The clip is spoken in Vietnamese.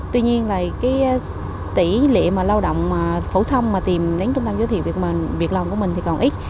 tuy nhiên là cái tỷ lệ mà lao động phổ thông mà tìm đến trung tâm giới thiệu việc làm của mình thì còn ít